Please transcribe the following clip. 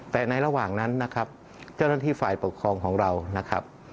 แต่ในระหว่างนั้นนะครับเจ้าหน้าที่ฝ่ายปกครองของเรานะครับ